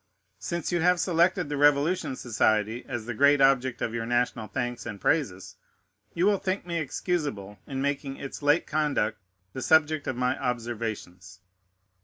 Since you have selected the Revolution Society as the great object of your national thanks and praises, you will think me excusable in making its late conduct the subject of my observations.